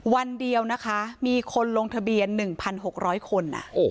วันเดียวนะคะมีคนลงทะเบียน๑๖๐๐คน